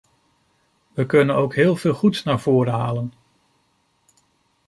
We kunnen ook heel veel goeds naar voren halen.